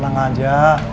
udah kamu tenang aja